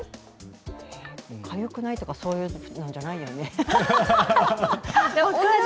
かゆくないとか、そういうんじゃないよね。